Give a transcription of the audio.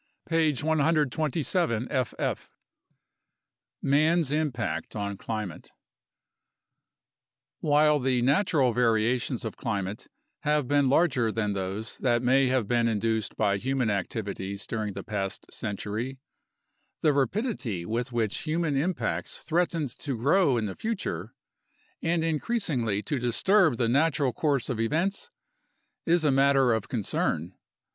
127 0). PAST CLIMATIC VARIATIONS— PROJECTION OF FUTURE CLIMATES 43 Man's Impact on Climate While the natural variations of climate have been larger than those that may have been induced by human activities during the past century, the rapidity with which human impacts threaten to grow in the future, and increasingly to disturb the natural course of events, is a matter of concern.